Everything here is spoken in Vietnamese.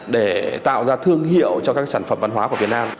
để tạo ra thương hiệu cho các sản phẩm văn hóa của việt nam